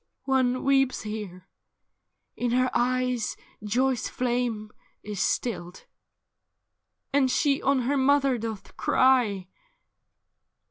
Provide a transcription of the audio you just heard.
''' One weeps here : in her eyes joy's flame is stilled. And she on her mother doth cry.'